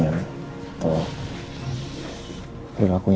kamu juga sudah pulih